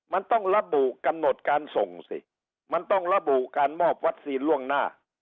มันต้องระบุกำหนดการส่งสิมันต้องระบุการมอบวัคซีนล่วงหน้า